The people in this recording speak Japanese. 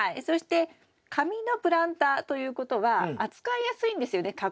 そして紙のプランターということは扱いやすいんですよね。